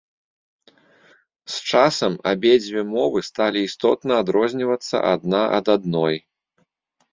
З часам абедзве мовы сталі істотна адрознівацца адна ад адной.